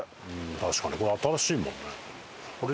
確かにこれ新しいもんね。